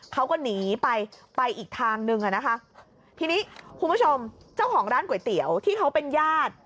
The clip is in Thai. เขาก็หนีไปไปอีกทางนึงอ่ะนะคะทีนี้คุณผู้ชมเจ้าของร้านก๋วยเตี๋ยวที่เขาเป็นญาติ